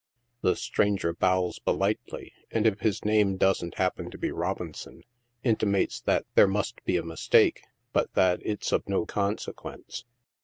The stranger bows polite ly, and if his name doesn't happen to be Robinson, intimates that there must be a mistake, but that " it's of no consequence."